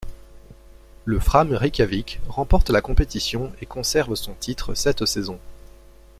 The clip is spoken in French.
Le Fram Reykjavik remporte la compétition et conserve son titre cette saison.